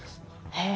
へえ。